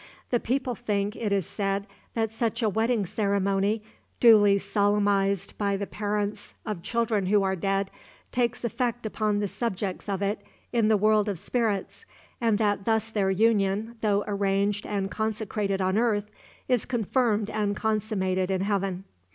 The people think, it is said, that such a wedding ceremony, duly solemnized by the parents of children who are dead, takes effect upon the subjects of it in the world of spirits, and that thus their union, though arranged and consecrated on earth, is confirmed and consummated in heaven.